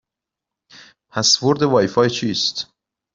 پسورد وای فای چیست؟